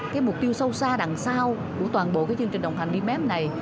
cái mục tiêu sâu xa đằng sau của toàn bộ cái chương trình đồng hành đi mép này